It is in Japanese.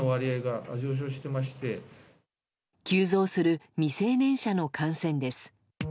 急増する未成年者の感染です。